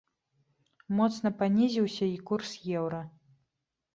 Моцна панізіўся і курс еўра.